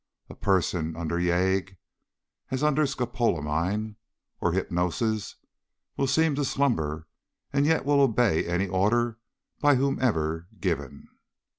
A person under yagué, as under scopolamine or hypnosis, will seem to slumber and yet will obey any order, by whomever given.